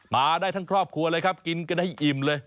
มาได้ทั้งครอบครัวเลยครับกินกันให้อิ่มเลย